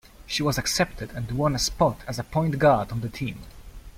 She was accepted and won a spot as a point guard on the team.